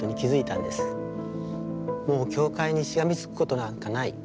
もう教会にしがみつくことなんかない。